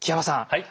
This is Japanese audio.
はい。